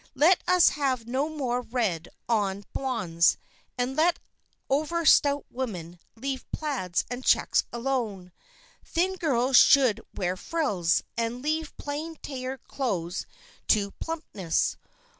Let us have no more red on blondes, and let over stout women leave plaids and checks alone. Thin girls should wear frills and leave plain tailored clothes to plumpness.